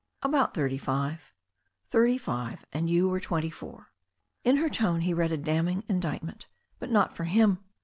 "About tiiirty five." "Thirty five — ^and you were twenty four." In her tone he read a damning indictment, but not for him.